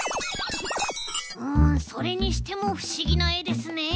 うんそれにしてもふしぎなえですねえ。